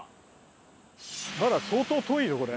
まだ相当遠いよこれ。